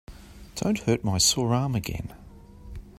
Don't hurt my sore arm again.